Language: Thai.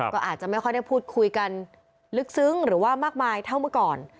ก็อาจจะไม่ค่อยได้พูดคุยกันลึกซึ้งหรือว่ามากมายเท่าเมื่อก่อน